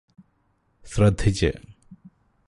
ശ്രദ്ധിച്ച്